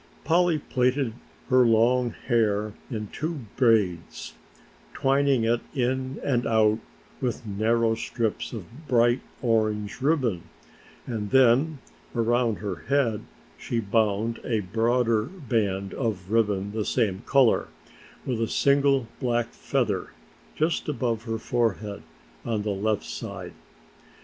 Polly plaited her long black hair in two braids, twining it in and out with narrow strips of bright orange ribbon, and then around her head she bound a broader band of ribbon the same color with a single black feather just above her forehead on the left side.